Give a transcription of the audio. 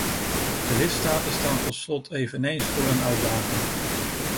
De lidstaten staan tot slot eveneens voor een uitdaging.